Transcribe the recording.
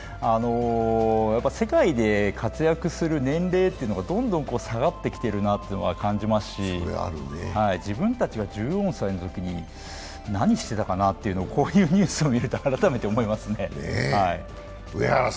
世界で活躍する年齢っていうのがどんどん下がってきてるなというのは感じますし自分たちが１４歳のときに何してたかなというのをこういうニュースを見ると改めて思いますね。